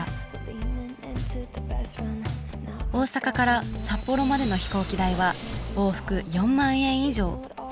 大阪から札幌までの飛行機代は往復４０，０００円以上。